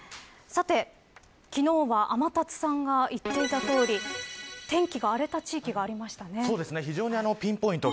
さて、昨日は天達さんが言っていたとおり天気が荒れた地域が非常にピンポイント。